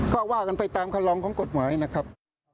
ก็ว่ากันไปตามคำลองของกฎหมายนะครับ